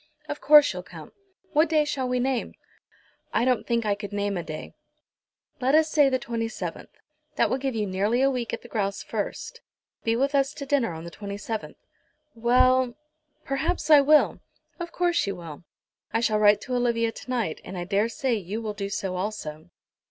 Of course you'll come. What day shall we name?" "I don't think I could name a day." "Let us say the 27th. That will give you nearly a week at the grouse first. Be with us to dinner on the 27th." "Well, perhaps I will." "Of course you will. I shall write to Olivia to night, and I daresay you will do so also."